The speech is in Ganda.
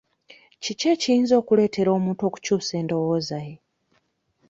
Kiki ekiyinza okuleetera omuntu okukyusa endowooza ye?